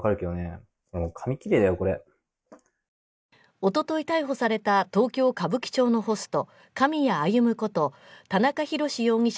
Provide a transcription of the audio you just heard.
おととい逮捕された東京・歌舞伎町のホスト狼谷歩こと田中裕志容疑者